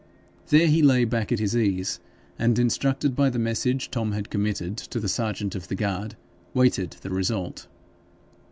There he lay back at his ease, and, instructed by the message Tom had committed to the serjeant of the guard, waited the result.